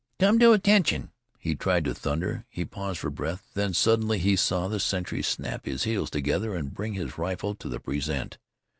"Come to attention!" he tried to thunder; he paused for breath then suddenly he saw the sentry snap his heels together and bring his rifle to the present.